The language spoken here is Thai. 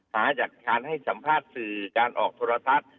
หาจากการให้สัมภาษณ์สื่อการออกโทรทัศน์